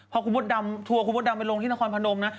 พอครูบอดดำทัวว์ครูบอดดำไปลงที่นครพนมนะ